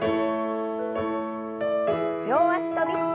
両脚跳び。